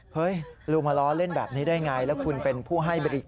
เฮ้ยลุงมาล้อเล่นแบบนี้ได้ไง